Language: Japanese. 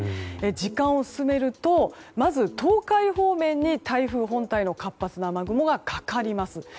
時間を進めると、まず東海方面に台風本体の活発な雨雲がかかります。